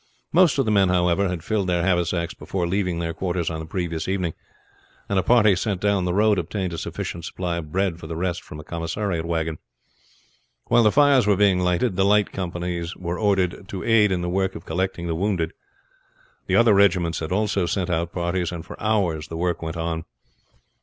Most of the men, however, had filled their haversacks before leaving their quarters on the previous evening, and a party sent down the road obtained a sufficient supply of bread for the rest from a commissariat wagon. While the fires were being lighted the light company were ordered to aid in the work of collecting the wounded. The other regiments had also sent out parties, and for hours the work went on.